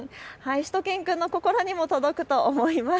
しゅと犬くんの心にも届くと思います。